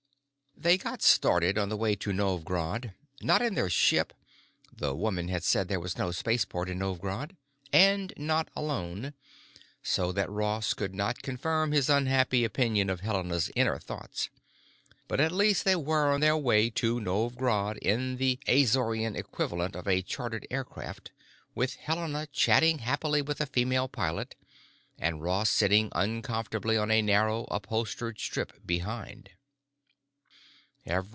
They got started on the way to Novj Grad—not in their ship (the woman had said there was no spaceport in Novj Grad), and not alone, so that Ross could not confirm his unhappy opinion of Helena's inner thoughts. But at least they were on their way to Novj Grad in the Azorian equivalent of a chartered aircraft, with Helena chatting happily with the female pilot, and Ross sitting uncomfortably on a narrow, upholstered strip behind.